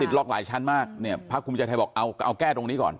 ล็อกหลายชั้นมากเนี่ยภาคภูมิใจไทยบอกเอาแก้ตรงนี้ก่อน